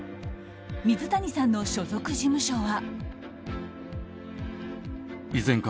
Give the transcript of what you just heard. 水谷さんの所属事務所は。